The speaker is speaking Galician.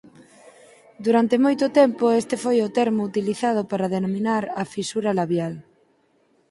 Durante moito tempo este foi o termo utilizado para denominar á fisura labial.